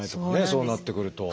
そうなってくると。